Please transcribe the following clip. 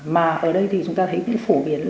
mà ở đây chúng ta thấy phổ biến